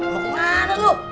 mau kemana tuh